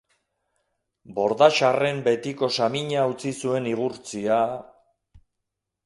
Bordaxarren betiko samina utzi zuen igurtzia...